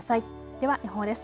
では予報です。